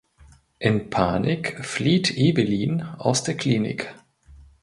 In Panik flieht Evelin aus der Klinik.